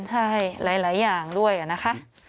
ใช่หลายอย่างด้วยนะคะ